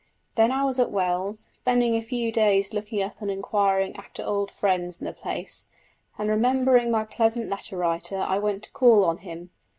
Then I was at Wells, spending a few days looking up and inquiring after old friends in the place, and remembering my pleasant letter writer I went to call on him.